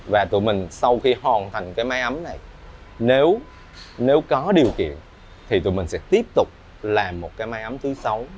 và tụi mình sau khi hoàn thành cái máy ấm này nếu có điều kiện thì tụi mình sẽ tiếp tục làm một cái máy ấm thứ sáu